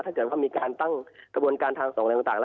ถ้าเกิดว่ามีการตั้งกระบวนการทางส่งอะไรต่าง